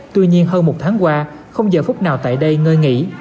tuy nhiên hơn một tháng qua không giờ phút nào tại đây ngơi nghỉ